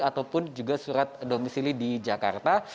ataupun juga surat domisili di jakarta